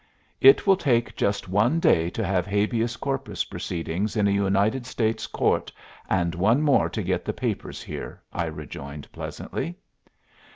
"It will take just one day to have habeas corpus proceedings in a United States court, and one more to get the papers here," I rejoined pleasantly.